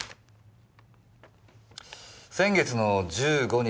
先月の１５日